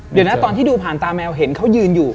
เดี๋ยวนะตอนที่ดูผ่านตาแมวเห็นเขายืนอยู่